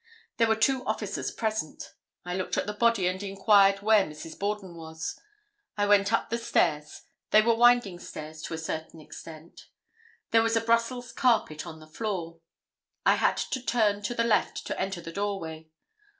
There were two officers present. I looked at the body and inquired where Mrs. Borden was. I went up the stairs; they were winding stairs to a certain extent; there was a Brussels carpet on the floor; I had to turn to the left to enter the doorway.